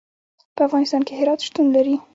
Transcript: په افغانستان کې هرات شتون لري.